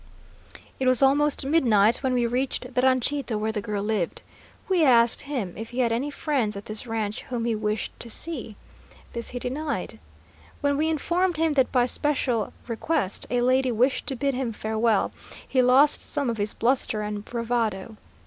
"It was almost midnight when we reached the ranchito where the girl lived. We asked him if he had any friends at this ranch whom he wished to see. This he denied. When we informed him that by special request a lady wished to bid him farewell, he lost some of his bluster and bravado.